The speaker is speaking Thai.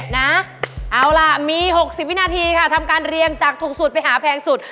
นะเอาล่ะมี๖๐วินาทีค่ะทำการเรียงจากถูกสุดไปหาแพงสุด